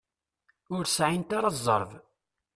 Ur sɛint ara zzerb.